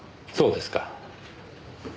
そうですか。